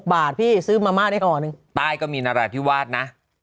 บาทพี่ซื้อมาม่าได้ห่อหนึ่งใต้ก็มีนราธิวาสนะ